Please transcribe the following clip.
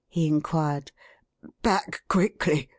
" he inquired. <; Back, quickly